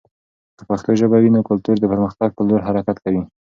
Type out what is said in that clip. که پښتو ژبه وي، نو کلتور د پرمختګ په لور حرکت کوي.